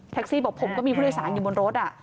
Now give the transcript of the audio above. ซี่บอกผมก็มีผู้โดยสารอยู่บนรถ